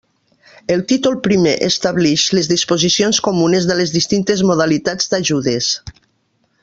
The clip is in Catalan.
El títol primer establix les disposicions comunes de les distintes modalitats d'ajudes.